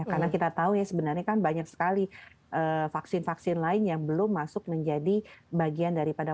karena kita tahu ya sebenarnya kan banyak sekali vaksin vaksin lain yang belum masuk menjadi bagian daripada